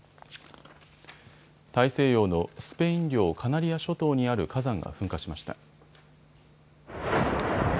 大西洋のスペイン領カナリア諸島にある火山が噴火しました。